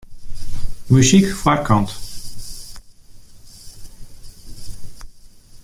Muzyk foarkant.